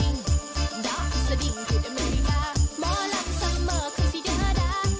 ฟุตเซอร์สีเอ็กซ์ก็พูดมาคล้ายคล้าย